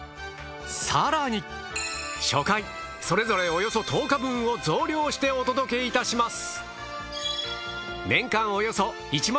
初回それぞれおよそ１０日分を増量してお届けいたします。